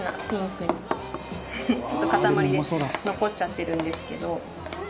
ちょっと固まりで残っちゃってるんですけど。